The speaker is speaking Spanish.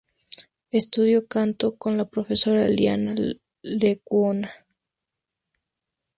Estudió canto con la profesora Liana Lecuona.